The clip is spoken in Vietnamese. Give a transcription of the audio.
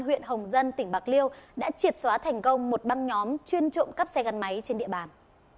huyện hồng dân tỉnh bạc liêu đã triệt xóa thành công một băng nhóm chuyên trộm cắp xe gắn máy trên địa bàn